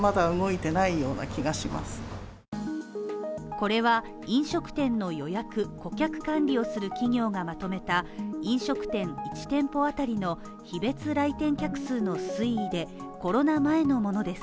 これは、飲食店の予約顧客管理をする企業がまとめた飲食店１店舗当たりの日別来店客数の推移でコロナ前のものです。